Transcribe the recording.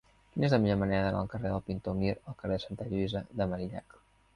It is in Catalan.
Quina és la millor manera d'anar del carrer del Pintor Mir al carrer de Santa Lluïsa de Marillac?